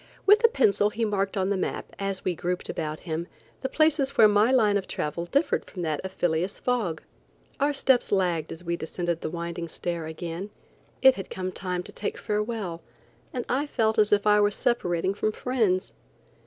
With a pencil he marked on the map, as we grouped about him, the places where my line of travel differed from that of Phileas Fogg. Our steps lagged as we descended the winding stair again. It had come time to take farewell, and I felt as if I was separating from friends.